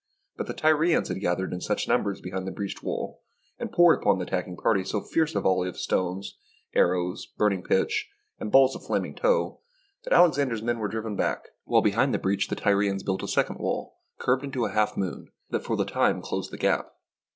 But the Tyrians had gathered in such numbers behind the breached wall and poured upon the attacking party so fierce a volley of stones, arrows, burning pitch, and balls of flaming tow, that Alexander's men were driven back, while behind the breach the Tyri ans built a second wall, curved into a half moon, that for the time closed the gap.